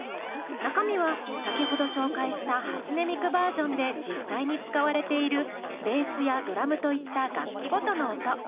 中身は先ほど紹介した初音ミクバージョンで実際に使われているベースやドラムといった楽器ごとの音。